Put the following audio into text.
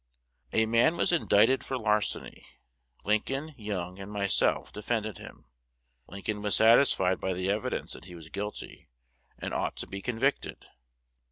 "A man was indicted for larceny: Lincoln, Young, and myself defended him. Lincoln was satisfied by the evidence that he was guilty, and ought to be convicted.